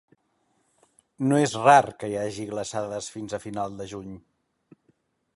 No és rar que hi hagi glaçades fins finals de juny.